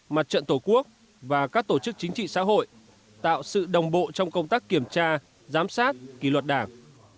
mặt trận tổ quốc và các tổ chức chính trị xã hội tạo sự đồng bộ trong công tác kiểm tra giám sát kỳ luật đảng